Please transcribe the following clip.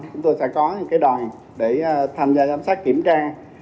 chúng tôi sẽ có những đoàn để tham gia giám sát kiểm tra